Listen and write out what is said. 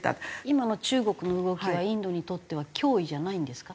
今の中国の動きはインドにとっては脅威じゃないんですか？